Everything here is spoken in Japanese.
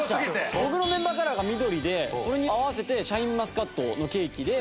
僕のメンバーカラーが緑でそれに合わせてシャインマスカットのケーキで。